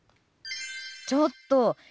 ちょっと！